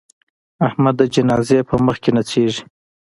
احمد د جنازې په مخ کې نڅېږي.